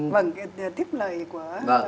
vâng tiếp lời của